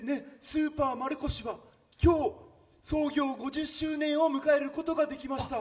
スーパー丸越は今日創業５０周年を迎えることができました